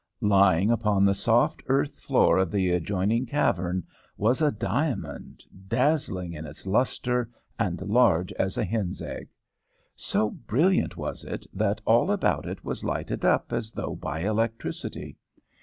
Lying upon the soft earth floor of the adjoining cave was a diamond, dazzling in its lustre, and large as a hen's egg. So brilliant was it that all about it was lighted up as though by electricity.